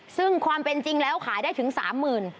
ซึ่งความเป็นจริงแล้วขายได้ถึง๓๐๐๐บาท